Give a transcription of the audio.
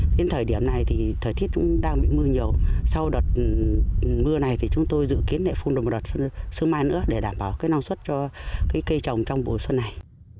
đến thời điểm này thì thời tiết cũng đang bị mưa nhiều sau đợt mưa này thì chúng tôi dự kiến lại phun đồng một đợt sư mai nữa để đảm bảo cái năng suất cho cây trồng trong mùa xuân này